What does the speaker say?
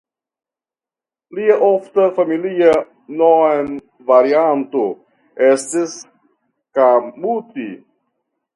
Lia ofta familia nomvarianto estis Kamuti.